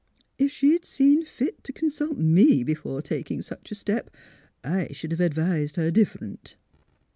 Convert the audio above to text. If she'd seen fit t' consult me be fore taking such a step, I sh'd have advised her different."